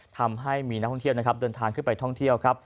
ทำให้มีนักที่ธยาลัยเดินทางขึ้นไปท่องเที่ยว